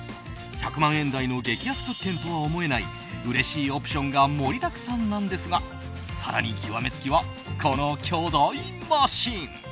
１００万円台の激安物件とは思えないうれしいオプションが盛りだくさんなんですが更に極め付きはこの巨大マシン！